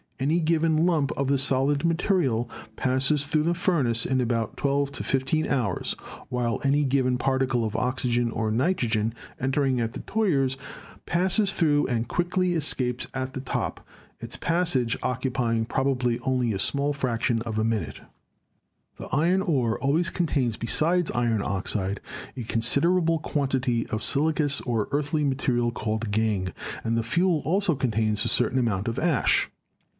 Any given lump of the solid material passes through the furnace in about 12 to 15 hours, while any given particle of oxygen or nitrogen entering at the tuyeres passes through and quickly escapes at the top, its passage occupying probably only a small fraction of a minute. The iron ore always contains besides iron oxide a con siderable quantity of silicious or earthy material called gangue, and the fuel also contains a certain amount of ash.